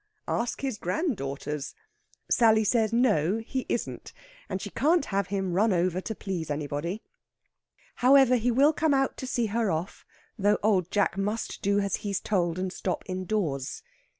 Ask his granddaughters! Sally says no, he isn't, and she can't have him run over to please anybody. However, he will come out to see her off, though Old Jack must do as he's told, and stop indoors.